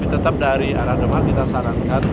tetap dari arah demak kita sarankan